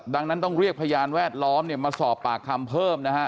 ดังนั้นต้องเรียกพยานแวดล้อมเนี่ยมาสอบปากคำเพิ่มนะฮะ